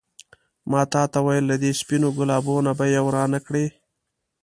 ما تا ته وویل له دې سپينو ګلابو نه به یو رانه کړې.